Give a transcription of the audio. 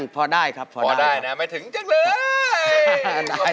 พอได้ครับพอได้นะไม่ถึงจังเลย